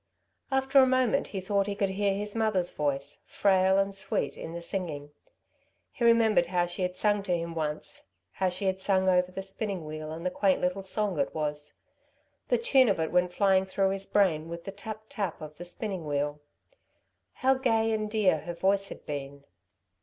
After a moment he thought he could hear his mother's voice, frail and sweet, in the singing. He remembered how she had sung to him once, how she had sung over her spinning wheel and the quaint little song it was. The tune of it went flying through his brain with the tap tap of the spinning wheel. How gay and dear her voice had been.